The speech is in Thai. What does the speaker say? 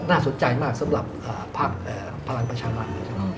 น่าสนใจมากสำหรับภารกิจประชาบันดาล